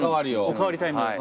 お代わりタイム。